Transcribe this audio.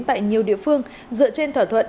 tại nhiều địa phương dựa trên thỏa thuận